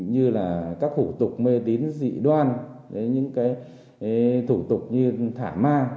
như là các thủ tục mê tín dị đoan những thủ tục như thả ma